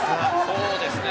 そうですね。